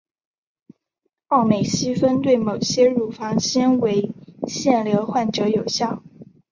奥美昔芬对某些乳房纤维腺瘤患者有效。